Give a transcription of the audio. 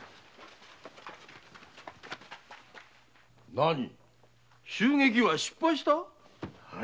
なに襲撃は失敗した？